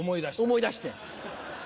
思い出して。